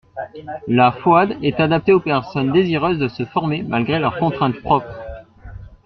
La FOAD est adaptée aux personnes désireuses de se former malgré leurs contraintes propres.